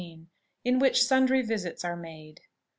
IN WHICH SUNDRY VISITS ARE MADE.